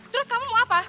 terus kamu mau apa